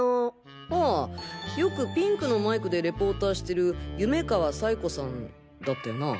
ああよくピンクのマイクでレポーターしてる夢川彩子さんだったよな？